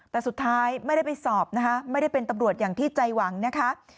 แต่สุดท้ายไม่ได้ไปสอบนะคะไม่ได้เป็นตำรวจอย่างที่ใจหวังนะคะ